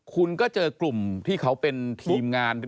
คุณก็เจอกลุ่มที่เขาเป็นทีมงาน